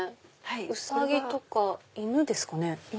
ウサギとか犬ですかね。